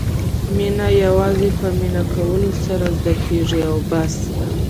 مینه یوازې په مینه کولو سره زده کېږي او بس.